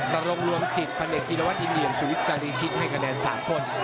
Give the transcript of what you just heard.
มาลงรวมจิตประเนกธิรวรรษอินเดียนสุวิทธิ์กาลีชิตให้คะแนน๓คน